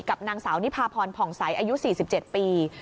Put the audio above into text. กับนางสาวนิพาพรผ่องใสอายุ๔๗ปี